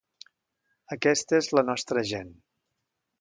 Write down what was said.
Aquesta és la nostra gent.